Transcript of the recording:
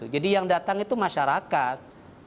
jadi yang datang itu masyarakat